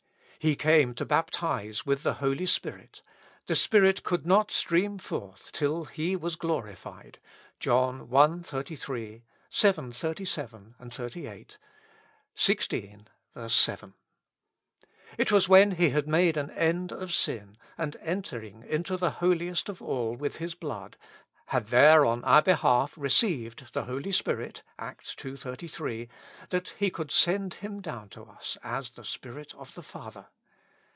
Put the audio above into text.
He came to baptize with the Holy Spirit ; tlie Spirit could not stream forth till He was glorified (John i. 33 ; vii. 37, 38; xvi. 7). It was when He had made an end of sin, and entering into the Holiest of all with His blood, had there on our behalf received the Holy Spirit (Acts ii. 33), that He could send Him down to us as the Spirit of the Father.